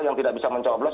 yang tidak bisa mencoblos